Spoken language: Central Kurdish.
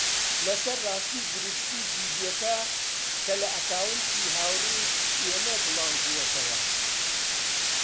لەسەر ڕاستی و دروستی ڤیدیۆکە کە لە ئەکاونتی هاوڕێیەکی ئێمە بڵاوبووەتەوە